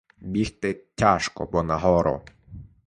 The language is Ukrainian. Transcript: Бігти тяжко, бо на гору.